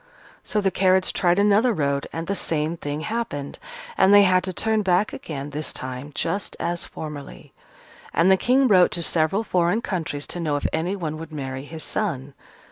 So the carriage tried another road, and the same thing happened, and they had to turn back again this time, just as formerly. And the King wrote to several foreign countries, to know if anyone would marry his son.